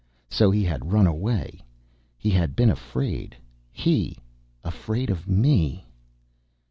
So he had run away: he had been afraid; he, afraid of me!